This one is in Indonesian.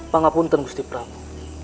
pangapunten gusti prabu